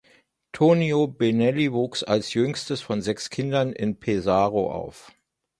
Tonino Benelli wuchs als jüngstes von sechs Kindern in Pesaro auf.